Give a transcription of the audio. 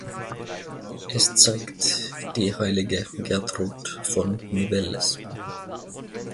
Es zeigt die heilige Gertrud von Nivelles.